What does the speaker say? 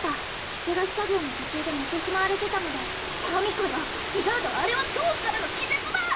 ひっぺがし作業の途中で寝てしまわれてたのでシャミ子よ違うぞあれは恐怖からの気絶だ！